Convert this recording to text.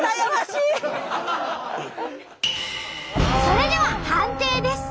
それでは判定です。